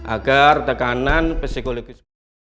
agar tekanan psikologis